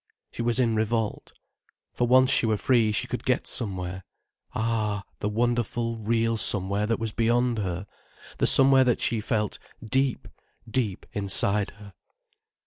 She was in revolt. For once she were free she could get somewhere. Ah, the wonderful, real somewhere that was beyond her, the somewhere that she felt deep, deep inside her.